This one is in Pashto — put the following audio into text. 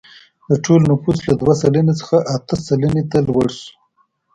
د ټول نفوس له دوه سلنې څخه اته سلنې ته لوړ شو.